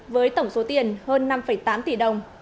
với tổng số tiền hơn năm tám tỷ đồng